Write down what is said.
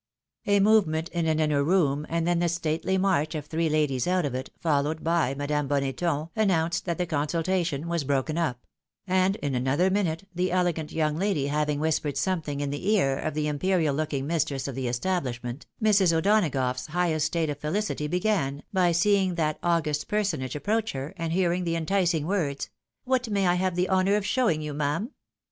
A movement in an inner room, and then the stately march of three ladies out of it, followed by Madame Boneton, an nounced that the consultation was broken up ; and in another PROFITABE JEALOUSY. 329 minute, the elegant young lady having whispered something in the ear of the imperial looking mistress of the establishment, Mrs. O'Donagough's highest state of felicity began, by seeing that august personage approach her, and hearing the enticing words, " What may I have the honour of showing you, ma'am?